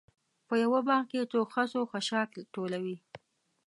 په یوه باغ کې څوک خس و خاشاک ټولوي.